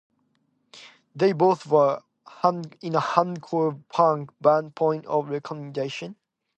They both were in the hardcore punk band Point of Recognition.